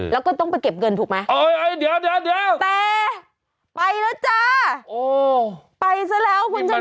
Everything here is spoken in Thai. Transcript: แล้วก็ต้องไปเก็บเงินถูกไหมเดี๋ยวแต่ไปแล้วจ้าไปซะแล้วคุณชนะ